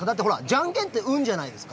じゃんけんって運じゃないですか。